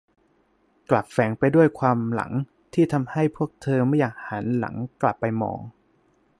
กลับแฝงไปด้วยความหลังที่ทำให้พวกเธอไม่อยากหันหลังกลับไปมอง